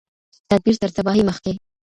تدبیر تر تباهۍ مخکي